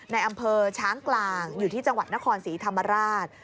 ในอำเภอช้างกลางอยู่ที่จังหวัดนครศรีธรรมราช